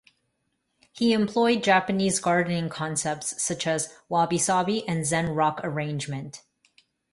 He employed Japanese gardening concepts such as Wabi-sabi and Zen rock arrangement.